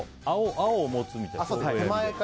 青を持つみたい。